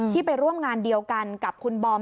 ไปร่วมงานเดียวกันกับคุณบอม